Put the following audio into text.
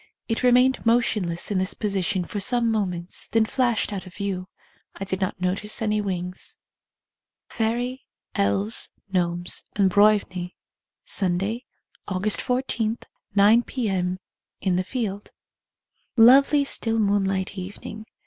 It re mained motionless in this position for some moments, then flashed out of view. I did not notice any wings. Fairy, Elves, Gnomes, and Broivnie. (Sunday, j^^.igust 14, 9 p.m. In the field.) Lov^^.y still moonlight evening.